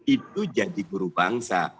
itu jadi guru bangsa